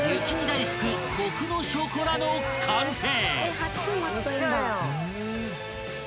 だいふくコクのショコラの完成］